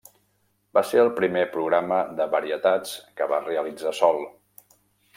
Va ser el primer programa de varietats que va realitzar sol.